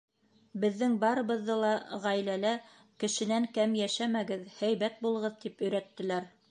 Беҙҙең барыбыҙҙы ла ғаиләлә, кешенән кәм йәшәмәгеҙ, һәйбәт булығыҙ, тип өйрәттеләр.